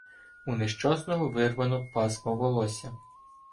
У нещасного вирвано пасмо волосся.